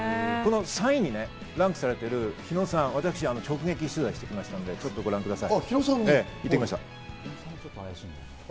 ３位にランクされている日野さん、私直撃取材してきたので、ご覧ください。